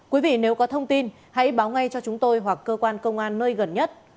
quý vị nếu có thông tin hãy báo ngay cho chúng tôi hoặc cơ quan công an nơi gần nhất